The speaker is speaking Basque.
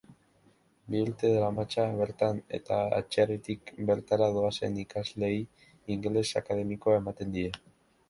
Bi urte daramatza bertan eta atzerritik bertara doazen ikasleei ingeles akademikoa ematen die.